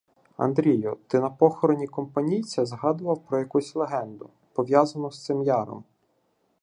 — Андрію, ти на похороні Компанійця згадував про якусь легенду, пов'язану з цим яром.